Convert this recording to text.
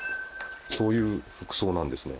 そういう服装なんですね。